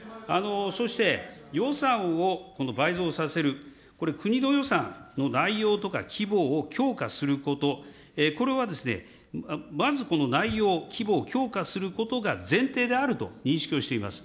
そして予算をこの倍増させる、これ国の予算の内容とか規模を強化すること、これはですね、まずこの内容、規模を強化することが前提であると認識をしています。